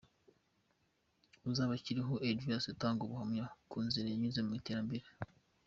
Uzabakiriho Elias atanga ubuhamya ku nzira yanyuze mu iterambere.